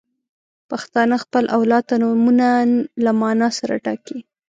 • پښتانه خپل اولاد ته نومونه له معنا سره ټاکي.